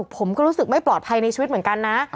ผมก็รู้สึกไม่ปลอดภัยในชีวิตเหมือนกันนะ